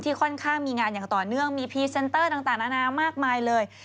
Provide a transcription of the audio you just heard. ค่อนข้างมีงานอย่างต่อเนื่องมีพรีเซนเตอร์ต่างนานามากมายเลย